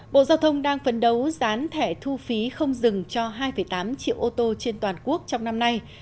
bộ giao thông đang phấn đấu gián thẻ thu phí không dừng cho hai tám triệu ô tô trên toàn quốc trong năm nay